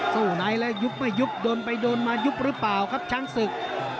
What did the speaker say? ไหนแล้วยุบไม่ยุบโดนไปโดนมายุบหรือเปล่าครับช้างศึก